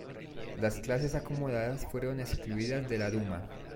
Las clases acomodadas fueron excluidas de la duma.